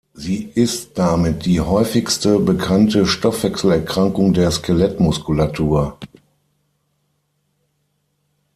Sie ist damit die häufigste bekannte Stoffwechselerkrankung der Skelettmuskulatur.